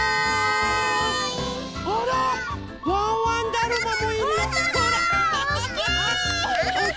あらワンワンだるまもいるよ。